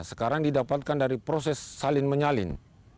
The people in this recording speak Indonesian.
sekarang didapatkan dari proses salin menyalin